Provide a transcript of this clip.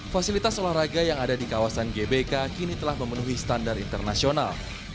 fasilitas olahraga yang ada di kawasan gbk kini telah memenuhi standar internasional